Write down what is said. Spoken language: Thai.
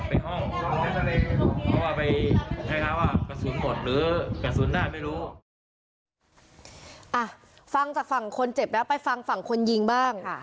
ฟังจากฝั่งคนเจ็บแล้วไปฟังฝั่งคนยิงบ้าง